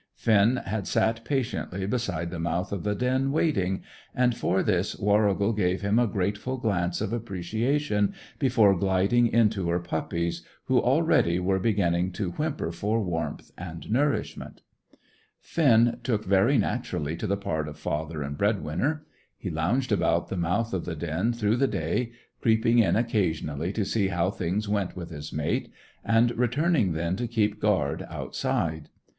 Finn had sat patiently beside the mouth of the den waiting, and for this Warrigal gave him a grateful glance of appreciation before gliding into her puppies, who already were beginning to whimper for warmth and nourishment. Finn took very naturally to the part of father and bread winner. He lounged about the mouth of the den through the day, creeping in occasionally to see how things went with his mate, and returning then to keep guard outside.